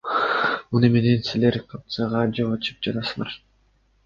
Муну менен силер коррупцияга жол ачып жатасыңар.